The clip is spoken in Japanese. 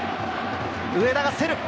上田が競る。